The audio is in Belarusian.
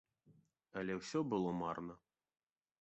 Але ўсё было марна.